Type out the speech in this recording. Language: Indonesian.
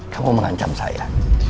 kamu mengancam saya